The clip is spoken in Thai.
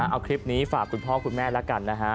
เอาคลิปนี้ฝากคุณพ่อคุณแม่แล้วกันนะฮะ